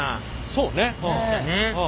そうね。